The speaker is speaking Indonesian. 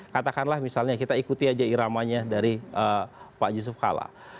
katakanlah misalnya kita ikuti aja iramanya dari pak yusuf kalla